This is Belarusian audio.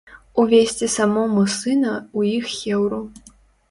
Увесці самому сына ў іх хеўру.